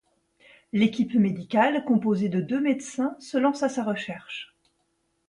L'équipe médicale, composée de deux médecins, se lance à sa recherche.